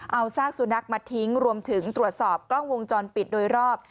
เอาซากสุนัขมาทิ้งรวมถึงตรวจสอบกล้องวงจรปิดโดยรอบ